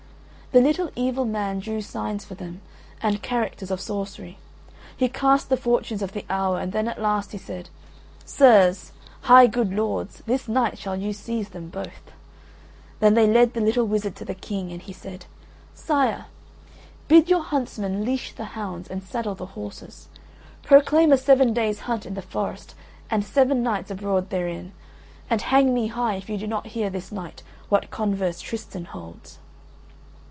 The little evil man drew signs for them and characters of sorcery; he cast the fortunes of the hour and then at last he said: "Sirs, high good lords, this night shall you seize them both." Then they led the little wizard to the King, and he said: "Sire, bid your huntsmen leash the hounds and saddle the horses, proclaim a seven days' hunt in the forest and seven nights abroad therein, and hang me high if you do not hear this night what converse Tristan holds."